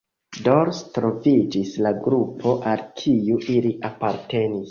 Dorse troviĝis la grupo al kiu ili apartenis.